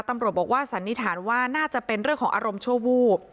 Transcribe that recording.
ตำรวจบอกว่าสันนิษฐานว่าน่าจะเป็นเรื่องของอารมณ์ชั่ววูบ